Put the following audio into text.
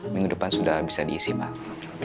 minggu depan sudah bisa diisi pak